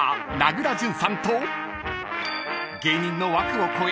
［芸人の枠を超え］